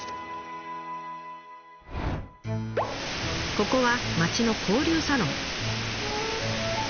ここは町の交流サロン。